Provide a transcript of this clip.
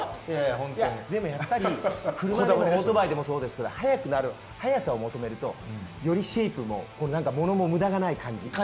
やっぱり車でもオートバイでもそうですけど速さを求めると、よりものも無駄がない感じに。